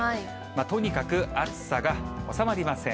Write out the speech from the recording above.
とにかく暑さが収まりません。